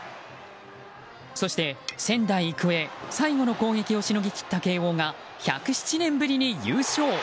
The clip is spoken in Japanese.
そして仙台育英、最後の攻撃をしのぎ切った慶應が１０７年ぶりに優勝！